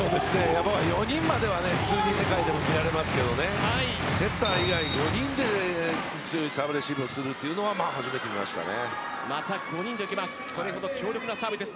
４人までは普通に世界でも見られますけどセッター以外４人で強いサーブレシーブをするのは初めて見ましたね。